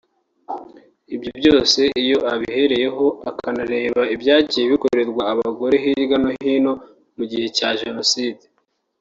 Ibyo byose iyo abihereyeho akanareba ibyagiye bikorerwa abagore hirya no hino mu gihe cya Jenoside